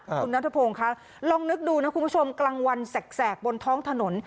คุณนัทพงศ์ค่ะลองนึกดูนะคุณผู้ชมกลางวันแสกบนท้องถนน